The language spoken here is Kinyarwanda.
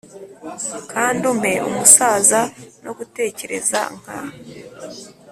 kandi umpe umusaza no gutekereza, nka